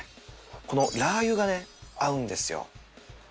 このラー油がね合うんですよ。